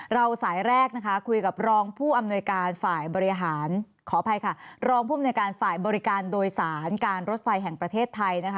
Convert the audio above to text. เราสายแรกคุยกับรองผู้อำนวยการฝ่ายบริการโดยสารการรถไฟแห่งประเทศไทย